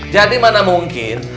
jadi mana mungkin